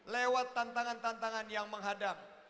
lewat tantangan tantangan yang menghadap